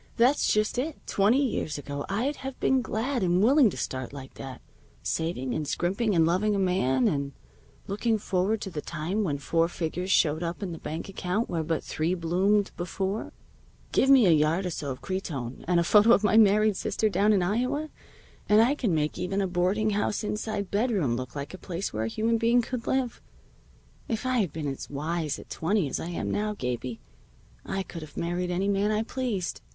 "That's just it. Twenty years ago I'd have been glad and willing to start like that, saving and scrimping and loving a man, and looking forward to the time when four figures showed up in the bank account where but three bloomed before. I've got what they call the home instinct. Give me a yard or so of cretonne, and a photo of my married sister down in Iowa, and I can make even a boarding house inside bedroom look like a place where a human being could live. If I had been as wise at twenty as I am now, Gabie, I could have married any man I pleased.